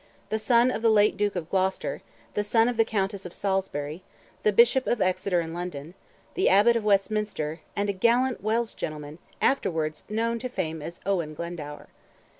the son of the late Duke of Gloucester; the son of the Countess of Salisbury; the Bishop of Exeter and London; the Abbot of Westminster, and a gallant Welsh gentleman, afterwards known to fame as Owen Glendower.